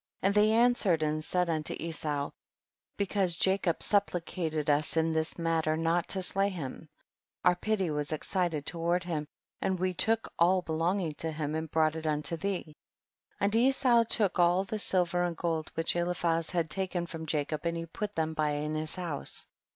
41. And they answered and said unto Esau, because Jacob supplica ted us in this matter not to !*lay him. 84 THE BOOK OF JASHER. our pity was excited toward him, and we took all belonging to him and brought it unto thee ; and Esau took all the silver and gold which Ehphaz had taken from Jacob and he put them by in his house.